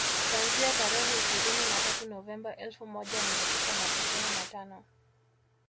Kuanzia tarehe ishirini na tatu Novemba elfu moja Mia tisa na tisini na tano